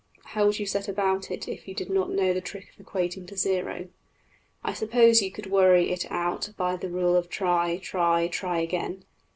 How would you set about it if you did not know the trick of equating to zero? I suppose you could worry it out by the rule of try, try, try again.